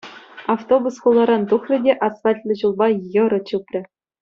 Автобус хуларан тухрӗ те асфальтлӑ ҫулпа йӑрӑ чупрӗ.